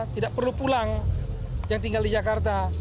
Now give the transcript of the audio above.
tidak perlu pulang yang tinggal di jakarta